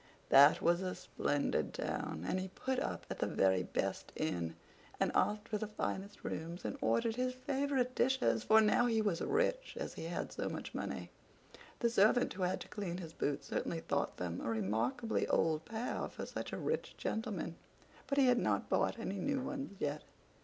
That was a splendid town! And he put up at the very best inn, and asked for the finest rooms, and ordered his favorite dishes, for now he was rich, as he had so much money. The servant who had to clean his boots certainly thought them a remarkably old pair for such a rich gentleman; but he had not bought any new ones yet.